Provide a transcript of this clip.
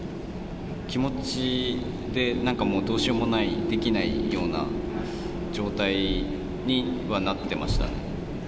気持ちでなんかもう、どうしようもない、できないような状態にはなってましたね。